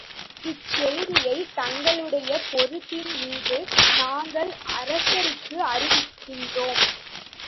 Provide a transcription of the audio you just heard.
இச்செய்தியை தங்களுடைய பொறுப்பின் மீது நாங்கள் அரசருக்கு அறிவிக்கின்றோம்.